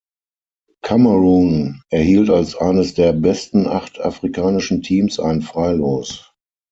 Kamerun erhielt als eines der besten acht afrikanischen Teams ein Freilos.